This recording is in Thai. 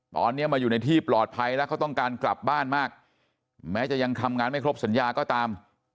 ตอนนี้มาอยู่ในที่ปลอดภัยแล้วเขาต้องการกลับบ้านมากแม้จะยังทำงานไม่ครบสัญญาก็ตาม